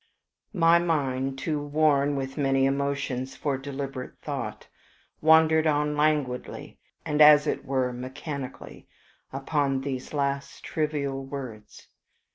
My mind, too worn with many emotions for deliberate thought, wandered on languidly, and as it were mechanically, upon these last trivial words.